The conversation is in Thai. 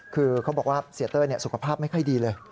คือเขาบอกว่าเสียเต้ยสุขภาพไม่ค่อยดีเลย